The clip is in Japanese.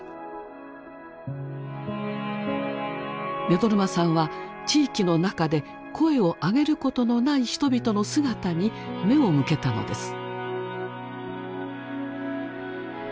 目取真さんは地域の中で声を上げることのない人々の姿に目を向けたのです。